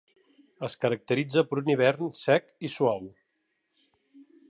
Es caracteritza per un hivern sec i suau.